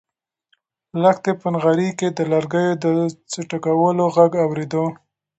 لښتې په نغري کې د لرګیو د چټکولو غږ اورېده.